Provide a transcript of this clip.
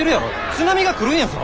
津波が来るんやぞ。